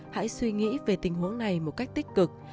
hãy suy nghĩ về tình huống này một cách tích cực